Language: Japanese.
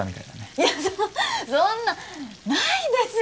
いやそんそんなないですよ